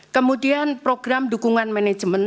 kemudian program dukungan manajemen